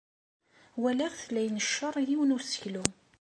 Walaɣ-t la inecceṛ yiwen n useklu.